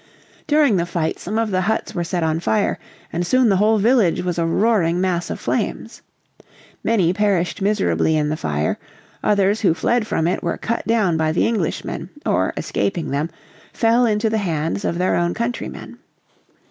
During the fight some of the huts were set on fire, and soon the whole village was a roaring mass of flames. Many perished miserably in the fire, others who fled from it were cut down by the Englishmen, or escaping them, fell into the hands of their own countrymen.